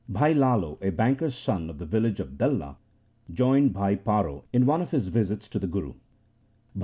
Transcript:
Bhai Lalo, a banker's son of the village of Dalla, joined Bhai Paro in one of his visits to the Guru.